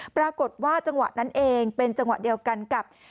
ปรากฏว่าจังหวะนั้นเองเป็นจังหวะเดียวกันกับ